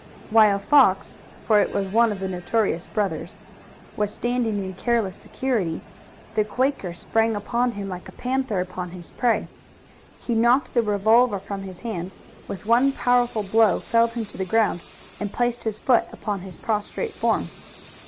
While Fox, for it was one of the notorious brothers, was standing in careless security, the Quaker sprang upon him like a panther upon his prey. He knocked the revolver from his hand, with one powerful blow felled him to the ground, and placed his foot upon his prostrate form.